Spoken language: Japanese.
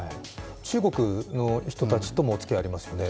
中国の人たちともおつきあいありますよね？